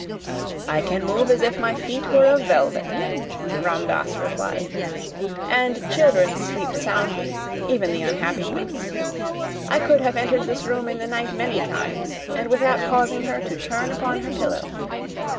"I can move as if my feet were of velvet," Ram Dass replied; "and children sleep soundly even the unhappy ones. I could have entered this room in the night many times, and without causing her to turn upon her pillow.